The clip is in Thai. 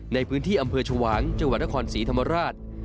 ในพื้นที่อำเภอชวางจังหวัดนครศรีธรรมราช